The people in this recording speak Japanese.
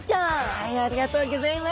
はいありがとうギョざいます。